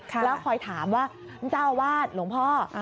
แล้วคอยถามว่าเจ้าวาดหลวงพ่อ